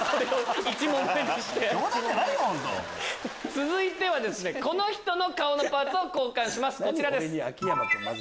続いてはこの人の顔のパーツを交換しますこちら。